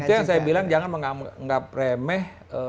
itu yang saya bilang jangan menganggap remeh